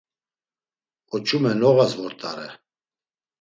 Oç̌ume noğas vort̆are.